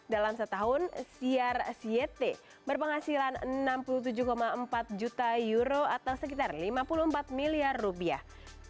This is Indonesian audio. dalam setahun crcyet berpenghasilan enam puluh tujuh empat juta euro atau sekitar lima puluh empat miliar rupiah